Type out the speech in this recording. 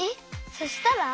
そしたら？